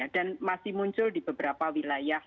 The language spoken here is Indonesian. masih muncul di beberapa wilayah